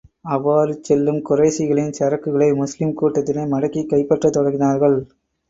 அவ்வாறு செல்லும் குறைஷிகளின் சரக்குகளை முஸ்லிம் கூட்டத்தினர் மடக்கிக் கைப்பற்றத் தொடங்கினார்கள்.